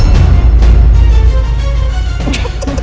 akhirnya semua impianku bisa terwujud